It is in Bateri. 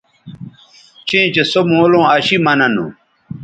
چیئں چہء سو مولوں اشی مہ ننوں